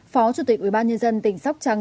phó chủ tịch ủy ban nhân dân tỉnh sóc trăng